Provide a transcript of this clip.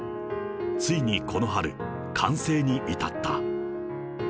ついにこの春、完成に至った。